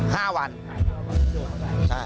ห้าวันใช่